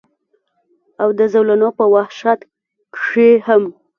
او د زولنو پۀ وحشت کښې هم